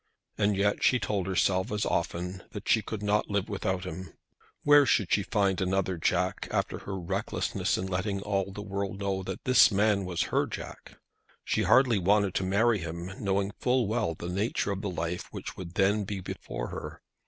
And yet she told herself as often that she could not live without him. Where should she find another Jack after her recklessness in letting all the world know that this man was her Jack? She hardly wanted to marry him, knowing full well the nature of the life which would then be before her.